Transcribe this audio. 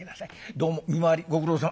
どうも見回りご苦労さん」。